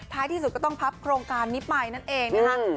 ที่สุดก็ต้องพับโครงการนี้ไปนั่นเองนะคะ